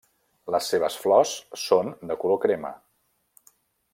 Les seves flors són de color crema.